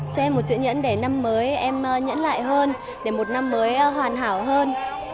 cho em một chữ nhẫn để năm mới em nhẫn lại hơn để một năm mới hoàn hảo hơn